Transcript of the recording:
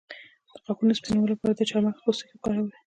د غاښونو سپینولو لپاره د چارمغز پوستکی وکاروئ